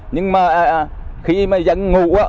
nhưng mà khi mà dân ngủ